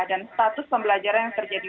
dan status pembelajaran yang terjadi